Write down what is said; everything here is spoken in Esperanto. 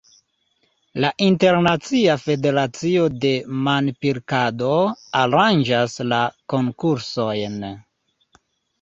La Internacia Federacio de Manpilkado aranĝas la konkursojn.